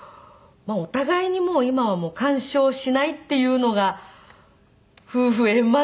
お互いに今はもう干渉しないっていうのが夫婦円満ですかね。